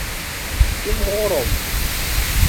Timɣurem.